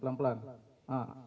pelan pelan kalau ini pelan pelan